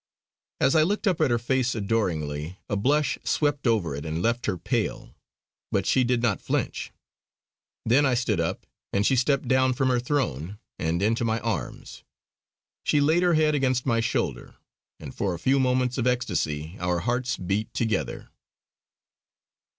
As I looked up at her face adoringly, a blush swept over it and left her pale; but she did not flinch. Then I stood up and she stepped down from her throne, and into my arms. She laid her head against my shoulder, and for a few moments of ecstasy our hearts beat together.